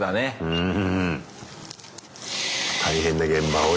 うん。